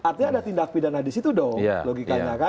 artinya ada tindak pidana di situ dong logikanya kan